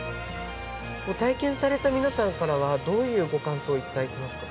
体験された皆さんからはどういうご感想を頂いてますか？